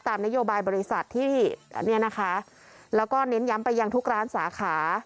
ตามนโยบาลบริษัทและเน้นย้ำไปทุกร้านสาขา